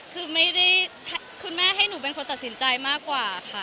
คือคุณแม่ให้หนูเป็นคนตัดสินใจมากกว่าค่ะ